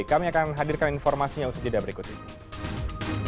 kami akan hadirkan informasinya pada usia berikut ini